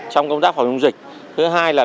trong công tác phòng chống dịch thứ hai là